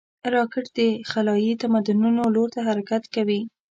راکټ د خلایي تمدنونو لور ته حرکت کوي